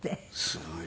すごい。